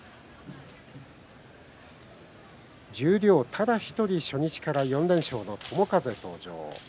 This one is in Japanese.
十両ただ１人、初日から４連勝の友風登場。